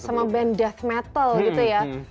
sama band death metal gitu ya